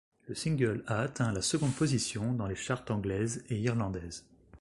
Le single a atteint la seconde position dans les charts anglaises et irlandaises.